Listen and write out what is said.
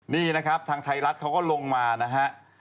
นี่นะครับทางไทยรัฐเขาก็ลงมานะฮะ